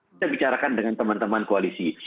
kita bicarakan dengan teman teman koalisi